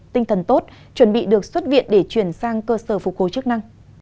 tinh thần tốt chuẩn bị được xuất viện để chuyển sang cơ sở phục hồi chức năng